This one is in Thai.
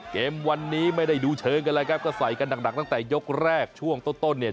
เกมวันนี้ไม่ได้ดูเชิงกันแล้วครับก็ใส่กันหนักตั้งแต่ยกแรกช่วงต้นต้นเนี่ย